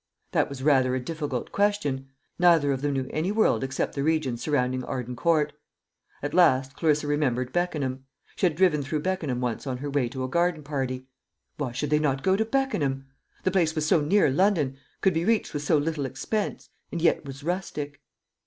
That was rather a difficult question. Neither of them knew any world except the region surrounding Arden Court. At last Clarissa remembered Beckenham. She had driven through Beckenham once on her way to a garden party. Why should they not go to Beckenham? the place was so near London, could be reached with so little expense, and yet was rustic.